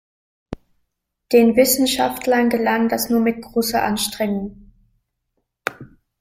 Den Wissenschaftlern gelang das nur mit großer Anstrengung.